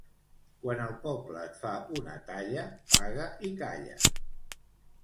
Quan el poble et fa una talla, paga i calla.